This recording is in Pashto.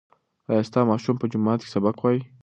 ایا ستا ماشوم په جومات کې سبق وایي؟